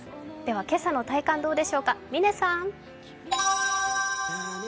今朝の体感どうでしょう、嶺さん。